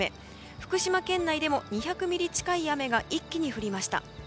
福島県内でも２００ミリ近い雨が一気に降りました。